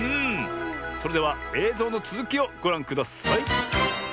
それではえいぞうのつづきをごらんください。